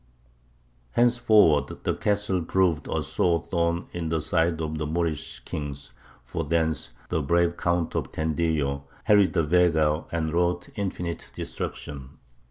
Henceforward, the castle proved a sore thorn in the side of the Moorish kings; for thence the brave Count of Tendillo harried the Vega and wrought infinite destruction.